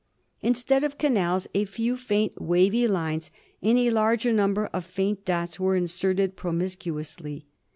Instead of canals, a few faint, wavy lines and a larger number of faint dots were inserted promiscuously.